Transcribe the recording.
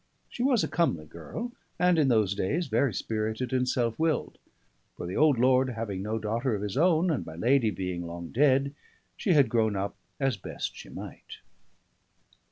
She was a comely girl, and in those days very spirited and self willed; for the old lord having no daughter of his own, and my lady being long dead, she had grown up as best she might.